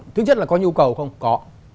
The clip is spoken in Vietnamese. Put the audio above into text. thứ nhất là có nhu cầu không có